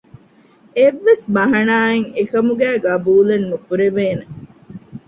އެއްވެސް ބަހަނާއެއް އެކަމުގައި ޤަބޫލެއް ނުކުރެވޭނެ